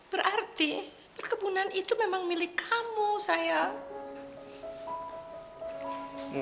berarti perkebunan itu memang milik kamu sayang